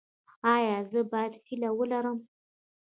ایا زه باید هیله ولرم؟